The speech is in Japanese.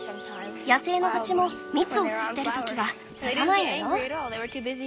野生のハチも蜜を吸ってるときは刺さないのよ。